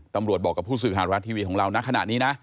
ตำรวจบอกกับผู้สื่อข่าวรัฐทีวีของเรานะขณะนี้นะ